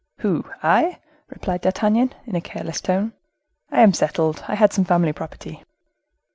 "Who? I?" replied D'Artagnan, in a careless tone; "I am settled—I had some family property."